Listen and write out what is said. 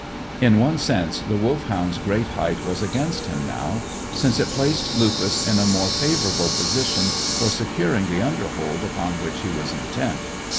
In one sense the Wolfhound's great height was against him now, since it placed Lupus in a more favourable position for securing the underhold upon which he was intent.